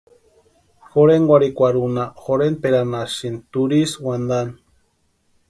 Jorhenkwarhikwarhunha jorhentpʼeranhasïni turhisï wantani.